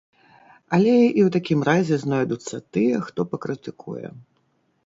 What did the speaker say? Але і ў такім разе знойдуцца тыя, хто пакрытыкуе.